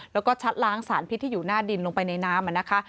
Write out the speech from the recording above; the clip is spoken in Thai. แล้วก็ชัดล้างสารพิษที่อยู่หน้าดินลงไปในน้ำนะคะ